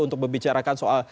untuk membicarakan soal